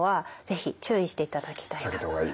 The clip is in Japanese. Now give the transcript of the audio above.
避けた方がいい。